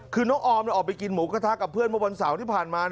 คือน้องออมออกไปกินหมูกระทะกับเพื่อนเมื่อวันเสาร์ที่ผ่านมา